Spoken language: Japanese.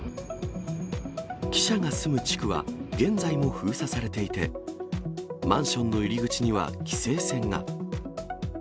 記者が住む地区は現在も封鎖されていて、マンションの入り口には規制線が。